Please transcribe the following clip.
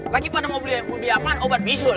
lagi pada mau beli yang mudah obat bisul